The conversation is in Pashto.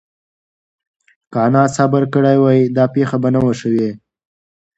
که انا صبر کړی وای، دا پېښه به نه وه شوې.